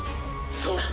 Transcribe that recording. そうだ。